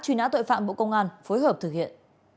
truy nã tội phạm bộ công an phối hợp thực hiện